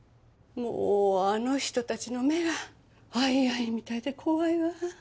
もうあの人たちの目がアイアイみたいで怖いわ。